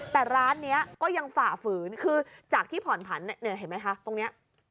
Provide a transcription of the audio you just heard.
แต่ร้านนี้ก็ยังฝ่าฝืนคือจากที่ผ่อนผันเห็นไหมคะตรงนี้